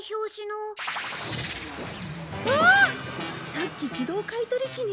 さっき自動買いとり機に。